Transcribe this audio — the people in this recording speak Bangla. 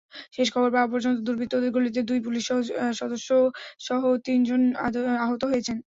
শেষ খবর পাওয়া পর্যন্ত দুর্বৃত্তদের গুলিতে দুই পুলিশ সদস্যসহ তিনজন আহত হয়েছেন।